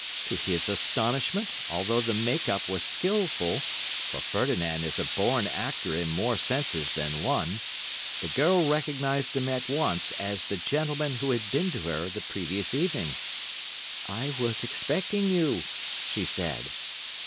To his astonishment, although the make up was skilful, for Ferdinand is a born actor in more senses than one, the girl recognised him at once as the gentleman who had been to her the previous evening. "I was expecting you," she said.